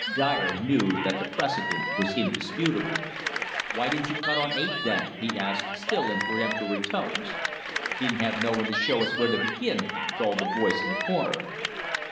Dyer knew that the precedent was indisputable. "Why didn't you cut on eight then?" he asked, still in peremptory tones. "Didn't have no one to show us where to begin," drawled a voice in the corner.